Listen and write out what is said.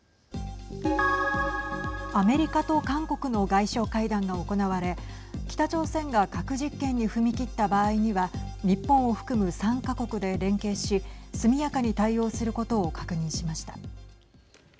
アメリカと韓国の外相会談が行われ北朝鮮が核実験に踏み切った場合には日本を含む３か国で連携し速やかに対応することを確認しました。